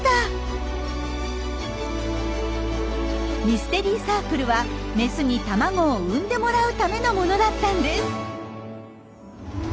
ミステリーサークルはメスに卵を産んでもらうためのものだったんです。